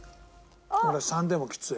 俺３でもきつい。